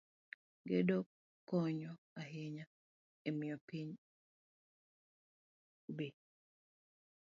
Gedo konyo ahinya e miyo piny obe